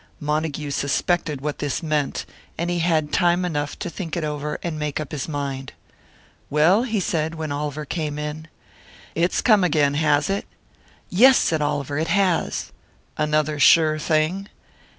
Montague suspected what this meant; and he had time enough to think it over and make up his mind. "Well?" he said, when Oliver came in. "It's come again, has it?" "Yes," said Oliver, "it has." "Another 'sure thing'?"